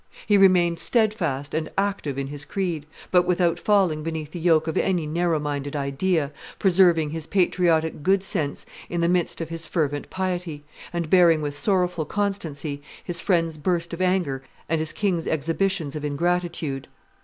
He remained steadfast and active in his creed, but without falling beneath the yoke of any narrow minded idea, preserving his patriotic good sense in the midst of his fervent piety, and bearing with sorrowful constancy his friends' bursts of anger and his king's exhibitions of ingratitude.